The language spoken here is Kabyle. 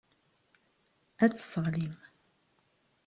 Ad t-tesseɣlim.